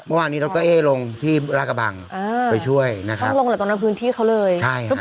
เมื่อวานนี้ดรเอ๊ลงที่รากะบังไปช่วยนะครับต้องลงแล้วตรงนั้นพื้นที่เขาเลยใช่ครับ